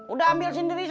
udah ambil sendiri sana